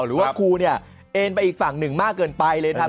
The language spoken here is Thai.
หรือว่าครูเนี่ยเอ็นไปอีกฝั่งหนึ่งมากเกินไปเลยนะครับ